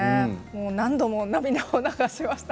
何度も涙を流しました。